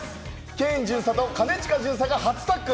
ケイン巡査と兼近巡査が初タッグ。